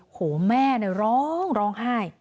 โอ้โฮแม่ร้องร้องไห้